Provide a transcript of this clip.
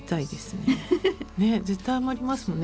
ね絶対余りますもんね。